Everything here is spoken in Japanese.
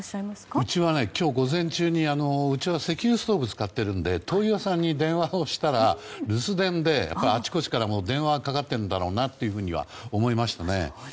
うちは今日午前中に石油ストーブを使っているので灯油屋さんに電話をしたら留守電であちこちから電話がかかってるんだろうなと思いましたね。